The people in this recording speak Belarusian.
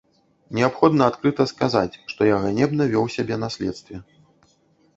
Неабходна адкрыта сказаць, што я ганебна вёў сябе на следстве.